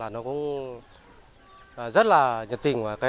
nó cũng rất là nhật tình